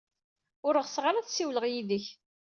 Ur ɣseɣ ara ad ssiwleɣ yid-k.